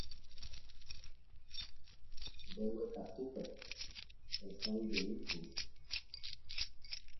Mbeguekatúpe hesãijeýkuri.